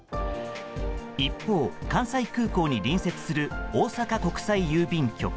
一方、関西空港に隣接する大阪国際郵便局。